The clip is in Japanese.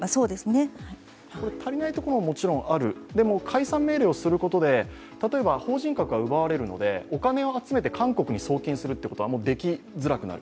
足りないところはもちろんある、でも、解散命令をすることで、例えば法人格は奪われるのでお金を集めて韓国に送金するということはできづらくなる。